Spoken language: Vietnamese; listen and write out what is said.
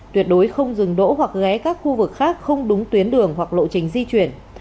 tuyệt đối không dừng đỗ hoặc ghé các khu vực khác không đúng tuyến đường hoặc lộ trình di chuyển